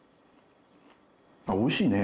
おいしいね。